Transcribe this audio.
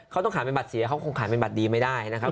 เขาต้องขายเป็นบัตรเสียเขาคงขายเป็นบัตรดีไม่ได้นะครับ